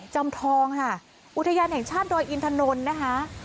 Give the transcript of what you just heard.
จอมทองค่ะอุทยานแห่งชาติดอยอินทนนท์นะคะ